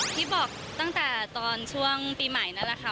ที่บอกตั้งแต่ตอนช่วงปีใหม่นั่นแหละค่ะ